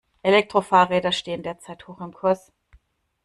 Elektrofahrräder stehen derzeit hoch im Kurs.